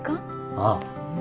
ああ。